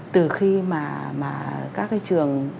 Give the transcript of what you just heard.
từ khi mà các cái trường